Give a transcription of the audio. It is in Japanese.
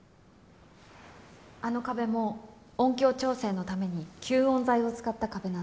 あの壁も音響調整のために吸音材を使った壁なんです。